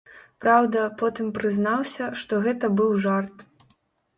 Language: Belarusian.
Праўда, потым прызнаўся, што гэта быў жарт.